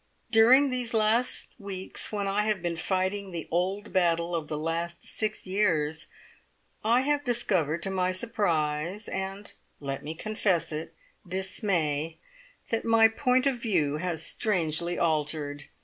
During these last weeks, when I have been fighting the old battle of the last six years, I have discovered to my surprise, and let me confess it dismay, that my point of view has strangely altered.